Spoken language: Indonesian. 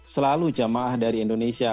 selalu jamaah dari indonesia